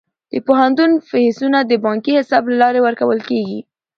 د پوهنتون فیسونه د بانکي حساب له لارې ورکول کیږي.